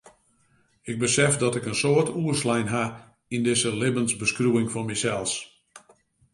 Ik besef dat ik in soad oerslein ha yn dizze libbensbeskriuwing fan mysels.